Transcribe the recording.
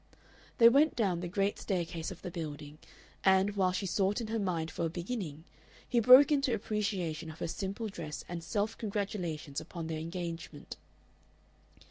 They went down the great staircase of the building, and, while she sought in her mind for a beginning, he broke into appreciation of her simple dress and self congratulations upon their engagement.